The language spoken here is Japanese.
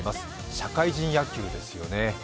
社会人野球ですよね。